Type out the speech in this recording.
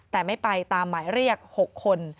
แต่ไม่ไปตามหมายเรียก๖คน